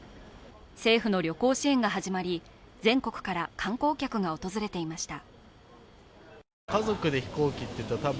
政府の旅行支援が始まり全国から観光客が訪れていました。